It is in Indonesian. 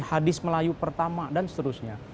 hadis melayu pertama dan seterusnya